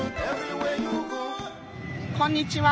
こんにちは。